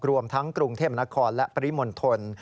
รวมทั้งกรุงเทพนครและปริมณฑล